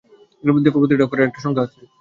দ্যাখো, প্রতিটা অক্ষরের একটা সংখ্যা আছে।